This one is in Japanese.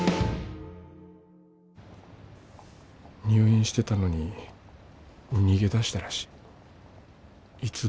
入院してたのに逃げ出したらしい。